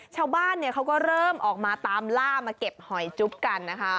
ชาวบ้านเขาก็เริ่มออกมาตามล่ามาเก็บหอยจุ๊บกันนะคะ